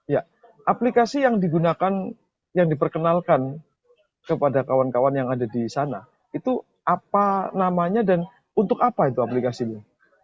ya aplikasi yang digunakan yang diperkenalkan kepada kawan kawan yang ada di sana itu apa namanya dan untuk apa itu aplikasinya